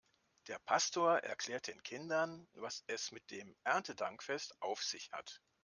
Der Pastor erklärt den Kindern, was es mit dem Erntedankfest auf sich hat.